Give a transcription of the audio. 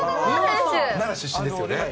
奈良出身ですよね。